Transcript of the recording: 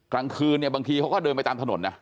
กลางคืนบางทีเขาก็เดินไปทำถนนนะ